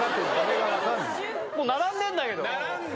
もう並んでんだけど。